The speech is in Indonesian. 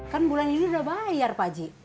kan bulan ini udah bayar pak ji